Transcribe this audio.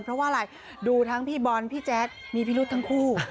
เพราะว่าอะไรดูทั้งพี่บอลพี่แจ๊คมีพิรุษทั้งคู่